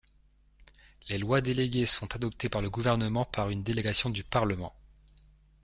Les lois déléguées sont adoptées par le Gouvernement par une délégation du Parlement.